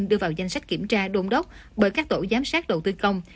đưa vào danh sách kiểm tra đôn đốc bởi các tổ giám sát đầu tư công